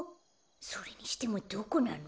それにしてもどこなの？